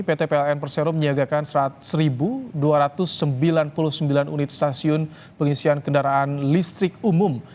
pt pln persero menyiagakan satu dua ratus sembilan puluh sembilan unit stasiun pengisian kendaraan listrik umum